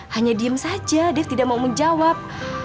hanya diam saja dev tidak mau menjawab